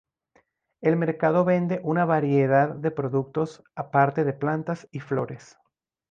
El mercado vende una variedad de productos aparte de plantas y flores.